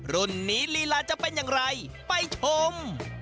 รุ่นนี้ลีลาจะเป็นอย่างไรไปชม